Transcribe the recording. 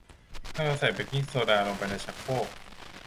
ให้เราใส่เบกกิ้งโซดาลงไปในชักโครก